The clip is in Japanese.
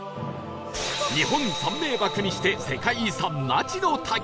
日本三名瀑にして世界遺産那智の滝